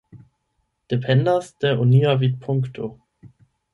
Dependas de onia vidpunkto.